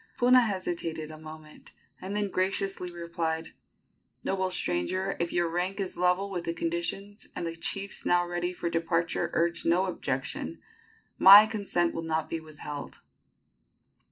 Puna hesitated a moment, and then graciously replied: "Noble stranger, if your rank is level with the conditions, and the chiefs now ready for departure urge no objection, my consent will not be withheld."